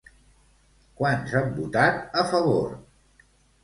Quants han votat a favor?